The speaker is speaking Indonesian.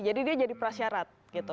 jadi dia jadi prasyarat gitu